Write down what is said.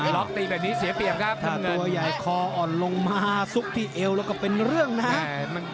ล็อกตีแบบนี้เสียเปรียบครับทำงานตัวใหญ่คออ่อนลงมาซุกที่เอวแล้วก็เป็นเรื่องนะครับ